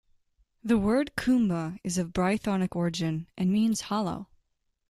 The word "coombe" is of Brythonic origin and means "hollow".